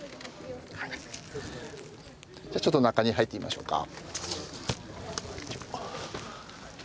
ちょっと中に入ってみましょうか。